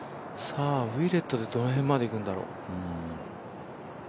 ウィレットまでどの辺まで行くんだろう。